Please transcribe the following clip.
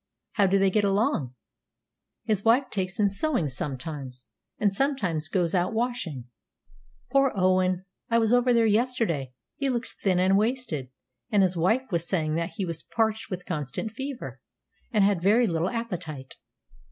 "How do they get along?" "His wife takes in sewing sometimes, and sometimes goes out washing. Poor Owen! I was over there yesterday; he looks thin and wasted, and his wife was saying that he was parched with constant fever, and had very little appetite.